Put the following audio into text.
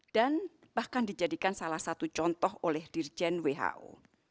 dan bahkan dijadikan salah satu contoh oleh dirjen who